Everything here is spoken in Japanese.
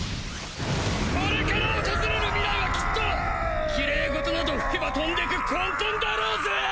これから訪れる未来はきっとキレイ事など吹けば飛んでく混沌だろうぜ！